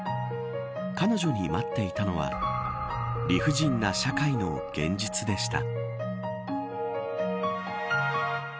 彼女に待っていたのは理不尽な社会の現実でした。